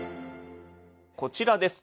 こちらです。